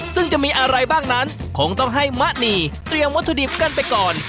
ซึ่งจะมีอะไรบ้างนั้นคงต้องให้มะนีเตรียมวัตถุดิบกันไปก่อน